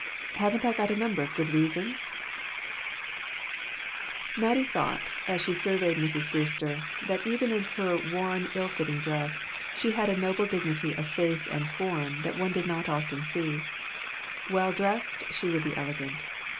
Haven't I a number of good reasons ?" Mattie thought, as she surveyed Mrs. Brewster, that even in her worn, ill fitting dress, she had a noble dignity of face and form that one did not often see; well dressed, she would be elegant.